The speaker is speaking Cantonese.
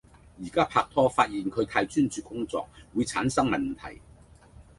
而家拍拖發現佢太專注工作會產生問題